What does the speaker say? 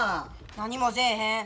何もせえへん。